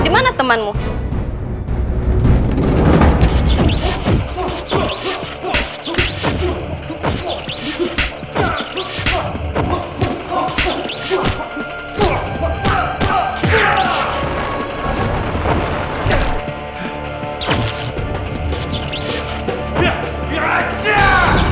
menjauh dari sel itu